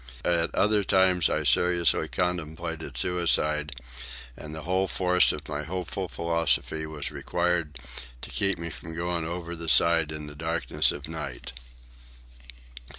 At other times I seriously contemplated suicide, and the whole force of my hopeful philosophy was required to keep me from going over the side in the darkness of night.